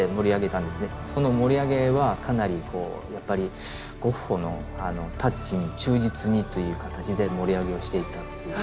その盛り上げはかなりこうやっぱりゴッホのタッチに忠実にという形で盛り上げをしていった。